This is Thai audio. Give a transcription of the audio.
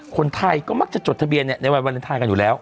คนไทยก็มักจะจดทะเบียนในวันวาเลนไทยกันอยู่แล้ว